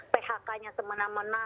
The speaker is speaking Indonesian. phk nya semena mena